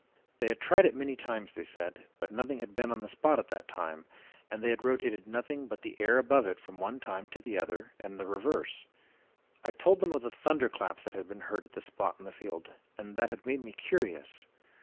"They had tried it many times, they said, but nothing had been on the spot at that time and they had rotated nothing but the air above it from the one time to the other, and the reverse. I told them of the thunderclaps that had been heard at the spot in the field and that had made me curious.